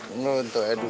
ini tuh aduh